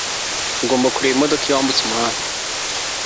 Ugomba kureba imodoka iyo wambutse umuhanda